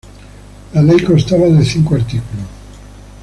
La ley constaba de cinco artículos.